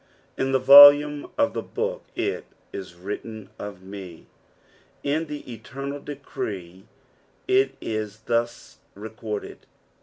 " In tKa volume of the booh it u vtritUn of me," Id the eternal decree it is thus recorded.